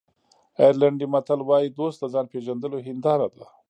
آیرلېنډي متل وایي دوست د ځان پېژندلو هنداره ده.